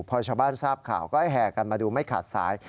พอชาวบ้านทราบข่าวก็แห่กันมาดูไม่ขาดสาย